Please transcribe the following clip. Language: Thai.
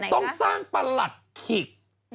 ต้องสร้างประหลัดขิก